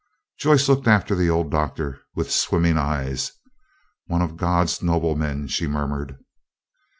Joyce looked after the old Doctor with swimming eyes. "One of God's noblemen," she murmured.